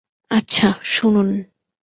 আচ্ছা, শুনুন।